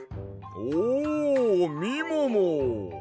おみもも！